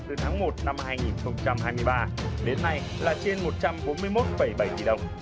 từ tháng một năm hai nghìn hai mươi ba đến nay là trên một trăm bốn mươi một bảy tỷ đồng